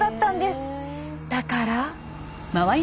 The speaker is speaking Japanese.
だから。